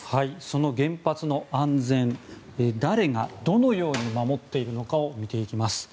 その原発の安全誰が、どのように守っているのかを見ていきます。